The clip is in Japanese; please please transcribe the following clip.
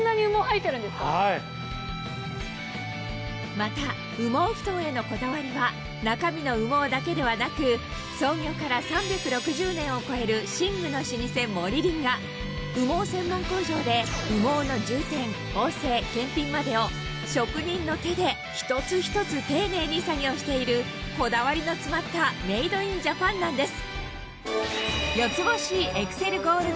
また羽毛ふとんへのこだわりは中身の羽毛だけではなく羽毛専門工場で羽毛の充填縫製検品までを職人の手で一つ一つ丁寧に作業しているこだわりの詰まったメイド・イン・ジャパンなんです